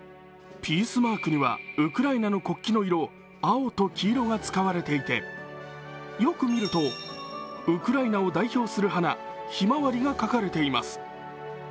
ピースマークにはウクライナの国旗の色、青と黄色が使われていて、よく見るとウクライナを代表する花・ひまわりが描かれています。